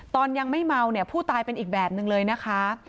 ตอนยังไม่เมาเนี่ยผู้ตายเป็นอีกแบบนึงเลยนะคะ